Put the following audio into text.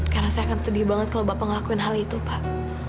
karena saya akan sedih banget kalau bapak ngelakuin hal itu pak